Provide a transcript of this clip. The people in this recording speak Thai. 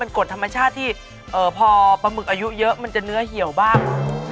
กฎธรรมชาติที่พอปลาหมึกอายุเยอะมันจะเนื้อเหี่ยวบ้าง